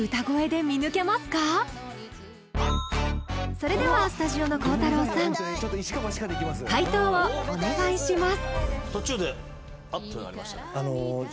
それではスタジオの孝太郎さん解答をお願いします